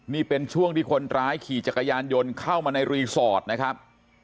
นี่เป็นช่วงที่คนร้ายขี่จักรยานยนต์เข้ามาในรีสอร์ทนะครับ